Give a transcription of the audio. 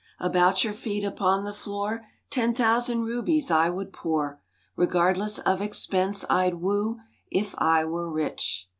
About your feet upon the floor, Ten thousand rubies I would pour— Regardless of expense, I'd woo If I were rich.